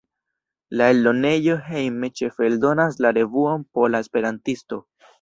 La eldonejo Hejme ĉefe eldonas la revuon Pola Esperantisto.